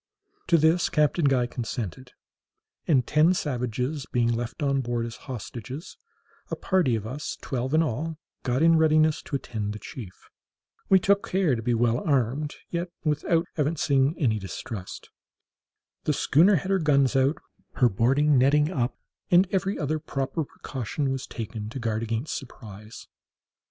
To this Captain Guy consented; and ten savages being left on board as hostages, a party of us, twelve in all, got in readiness to attend the chief. We took care to be well armed, yet without evincing any distrust. The schooner had her guns run out, her boarding nettings up, and every other proper precaution was taken to guard against surprise.